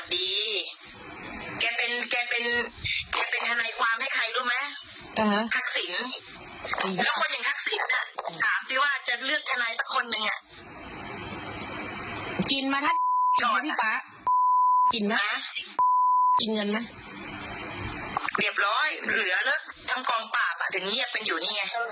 เรียบร้อยเหลือแล้วทั้งกองปราบอ่ะถึงเงียบกันอยู่นี่ไง